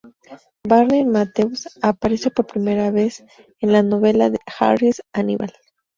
Barney Matthews aparece por última vez en la novela de Harris "Hannibal".